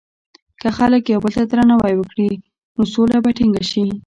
که خلک یو بل ته درناوی وکړي، نو سوله به ټینګه شي.